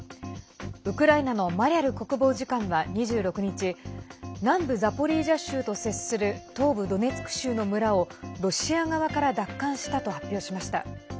ウクライナのマリャル国防次官は２６日南部ザポリージャ州と接する東部ドネツク州の村をロシア側から奪還したと発表しました。